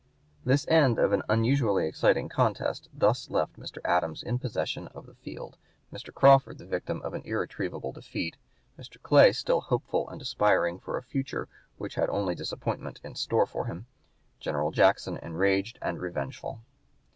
This end of an unusually exciting contest thus left Mr. Adams in possession of the field, Mr. Crawford the victim of an irretrievable defeat, Mr. Clay still hopeful and aspiring for a future which had only disappointment in store for him, General Jackson enraged and revengeful.